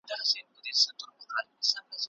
ملا بانګ پوه شو چې هر غږ یو ځانګړی پیغام لري.